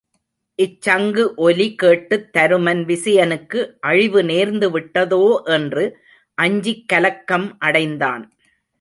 இச்சங்கு ஒலி கேட்டுத் தருமன் விசயனுக்கு அழிவு நேர்ந்து விட்டதோ என்று அஞ்சிக் கலக்கம் அடைந்தான்.